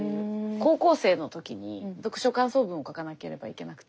高校生の時に読書感想文を書かなければいけなくて。